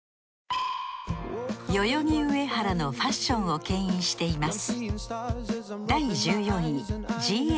代々木上原のファッションをけん引しています